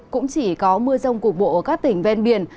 cũng chỉ có mưa rông cục bộ ở các tỉnh ven biển